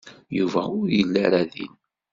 Yuba ur yelli ara din.